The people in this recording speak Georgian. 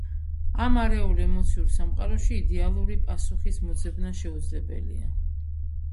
ამ არეულ, ემოციურ სამყაროში იდეალური პასუხის მოძებნა შეუძლებელია.